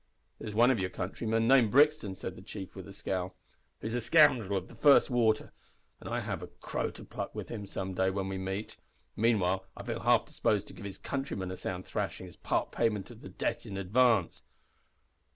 "There's one of your countrymen named Brixton," said the chief, with a scowl, "who's a scoundrel of the first water, and I have a crow to pluck with him some day when we meet. Meanwhile I feel half disposed to give his countryman a sound thrashing as part payment of the debt in advance."